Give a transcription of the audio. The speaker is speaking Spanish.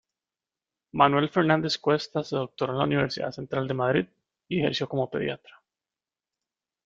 Manuel Fernández-Cuesta se doctoró en la Universidad Central de Madrid y ejerció como pediatra.